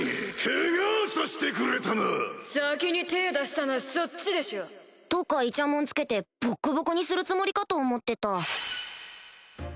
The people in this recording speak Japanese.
先に手ぇ出したのはそっちでしょとかいちゃもんつけてボッコボコにするつもりかと思ってた